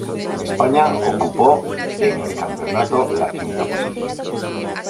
España ocupó en el campeonato la quinta posición.